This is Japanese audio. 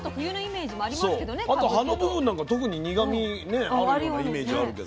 あと葉の部分なんかは特に苦みねあるようなイメージあるけど。